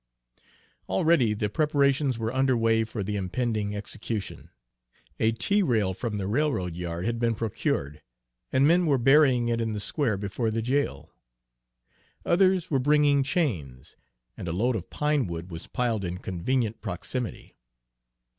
Already the preparations were under way for the impending execution. A T rail from the railroad yard had been procured, and men were burying it in the square before the jail. Others were bringing chains, and a load of pine wood was piled in convenient proximity.